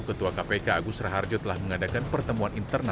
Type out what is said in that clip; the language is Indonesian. ketua kpk agus raharjo telah mengadakan pertemuan internal